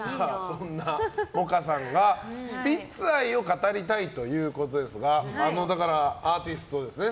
そんな萌歌さんがスピッツ愛を語りたいということですがアーティストですね。